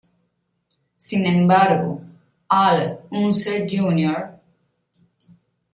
Sin embargo, Al Unser Jr.